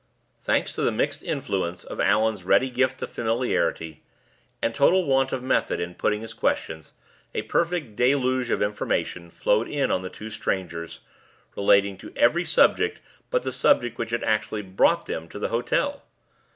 Thanks to the mixed influence of Allan's ready gift of familiarity, and total want of method in putting his questions, a perfect deluge of information flowed in on the two strangers, relating to every subject but the subject which had actually brought them to the hotel.